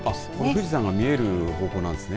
富士山が見える方向なんですね。